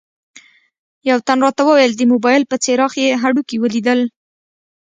یوه تن راته وویل د موبایل په څراغ یې هډوکي ولیدل.